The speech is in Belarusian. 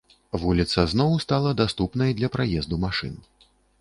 Вуліца зноў стала даступнай для праезду машын.